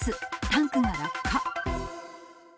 タンクが落下。